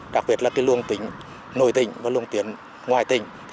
đặc biệt là luồng tuyển nội tỉnh và luồng tuyển ngoài tỉnh